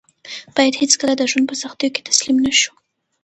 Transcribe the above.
باید هېڅکله د ژوند په سختیو کې تسلیم نه شو.